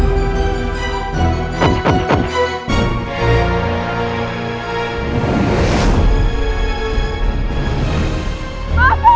jadi siapa yang akan melakukan ini